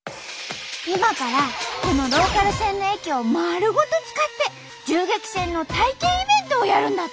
今からこのローカル線の駅をまるごと使って銃撃戦の体験イベントをやるんだって。